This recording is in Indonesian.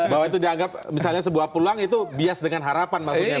bahwa itu dianggap misalnya sebuah pulang itu bias dengan harapan maksudnya